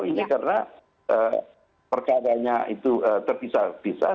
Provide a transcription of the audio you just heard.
ini karena perkaranya itu terpisah pisah